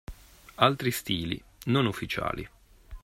Altri stili, non ufficiali.